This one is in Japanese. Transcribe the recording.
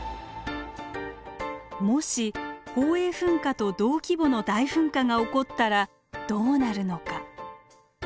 もし宝永噴火と同規模の大噴火が起こったらどうなるのか。